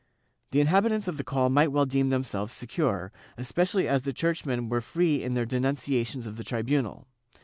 The inhabitants of the call might well deem themselves secure, especially as the churchmen were free in their denunciations of the tribunal.